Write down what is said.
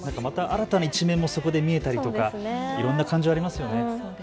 新たな一面もそこで見えたりとかいろんな感情、ありますよね。